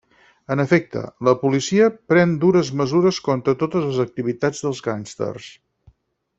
En efecte, la policia pren dures mesures contra totes les activitats dels gàngsters.